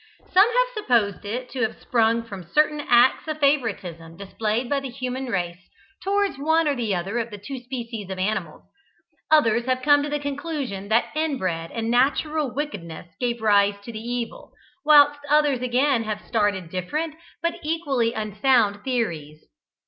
Some have supposed it to have sprung from certain acts of favouritism displayed by the human race towards one or other of the two species of animals; others have come to the conclusion that in bred and natural wickedness gave rise to the evil, whilst others again have started different, but equally unsound theories.